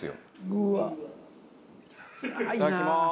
いただきます。